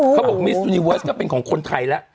เขาบอกมิสต์อุนิเวิร์สก็เป็นของคนไทยแล้ว